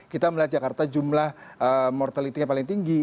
kita melihat jakarta jumlah mortalitasnya paling tinggi